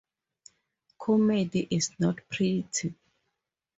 Comedy Is Not Pretty!